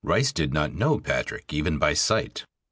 Rice did not know Patrick even by sight.